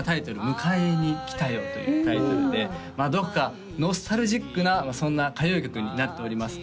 「迎えに来たよ」というタイトルでどこかノスタルジックなそんな歌謡曲になっております